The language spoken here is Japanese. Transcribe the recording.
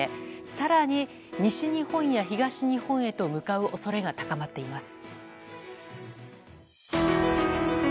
更に、西日本や東日本へと向かう恐れが高まっています。